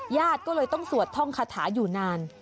ญาติก็เลยต้องสวดท่องคาถาอยู่นาน